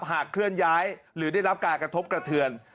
เคลื่อนย้ายหรือได้รับการกระทบกระเทือน